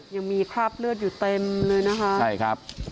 ยังมีคราบเลือดอยู่เต็มเลยนะฮะ